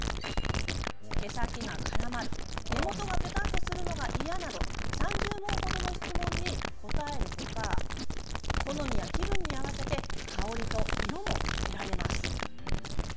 「毛先が絡まる」や「根元がぺたんとするのが嫌」など、３０問程の質問に答えるほか好みや気分に合わせて香りと色も選べます。